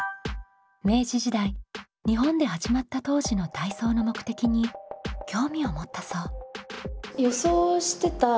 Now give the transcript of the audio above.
明治時代日本で始まった当時の体操の目的に興味を持ったそう。